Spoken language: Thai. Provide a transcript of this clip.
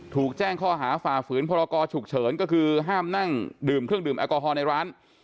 ถูกแจ้งข้อหาฝ่าฝืนพรกรฉุกเฉินก็คือห้ามนั่งดื่มเครื่องดื่มแอลกอฮอลในร้าน